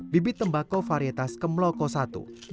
bibit tembakau varietas kemloko i yang dianggap baik